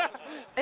・え？